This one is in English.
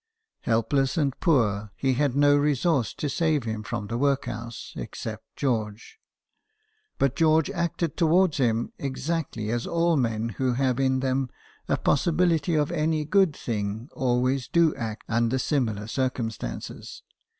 Help less and poor, he had no resource to save him from the workhouse except George ; but George acted towards him exactly as all men who have in them a possibility of any good thing always do act under similar circumstances.